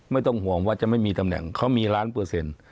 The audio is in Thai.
ไม่ต้องห่วงว่าจะไม่มีตำแหน่งเขามีล้านเปอร์เซ็นต์